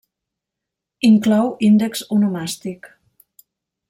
Inclou índex onomàstic.